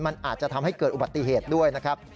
มันอาจจะทำให้เกิดอุบัติเหตุด้วยนะครับ